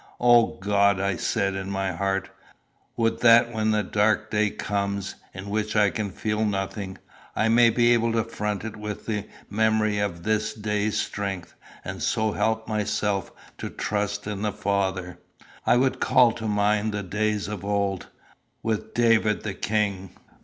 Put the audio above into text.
"O God," I said in my heart, "would that when the dark day comes, in which I can feel nothing, I may be able to front it with the memory of this day's strength, and so help myself to trust in the Father! I would call to mind the days of old, with David the king."